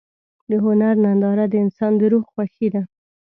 د هنر ننداره د انسان د روح خوښي ده.